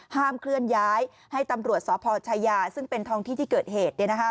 ห้ามเคลื่อนย้ายให้ตำรวจสพชายาซึ่งเป็นทองที่ที่เกิดเหตุ